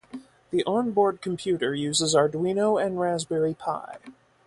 The on board computer uses Arduino and Raspberry Pi.